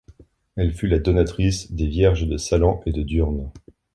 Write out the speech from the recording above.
Elle fut la donatrice des vierges de Salans et de Durnes.